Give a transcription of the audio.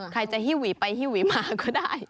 ใครจะหิ้วหวีไปหิ้วหวีมาก็ได้